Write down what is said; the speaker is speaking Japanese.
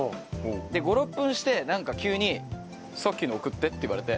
で５６分してなんか急に「さっきの送って」って言われて。